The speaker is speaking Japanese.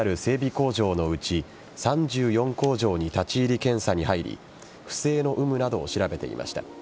工場のうち３４工場に立ち入り検査に入り不正の有無などを調べていました。